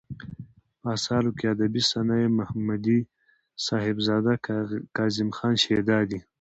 په اثارو کې ادبي صنايع ، محمدي صاحبزداه ،کاظم خان شېدا دى.